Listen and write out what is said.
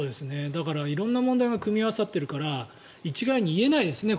だから、色んな問題が組み合わさっているから一概に言えないですね。